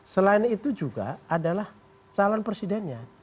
selain itu juga adalah calon presidennya